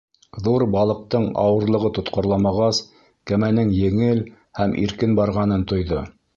Ҙур балыҡтың ауырлығы тотҡарламағас, кәмәнең еңел һәм иркен барғанын тойҙо.